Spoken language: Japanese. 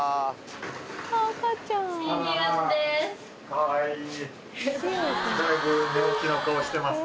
かわいい。